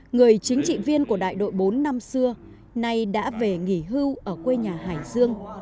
người chính trị viên của đại đội bốn năm xưa nay đã về nghỉ hưu ở quê nhà hải dương